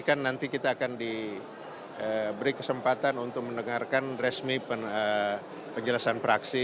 kan nanti kita akan diberi kesempatan untuk mendengarkan resmi penjelasan fraksi